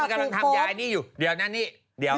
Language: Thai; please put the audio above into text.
มันกำลังทำยาไอ้นี่อยู่เดี๋ยวนะนี่